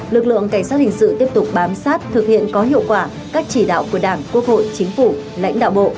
lực lượng cảnh sát hình sự tiếp tục bám sát thực hiện có hiệu quả các chỉ đạo của đảng quốc hội chính phủ lãnh đạo bộ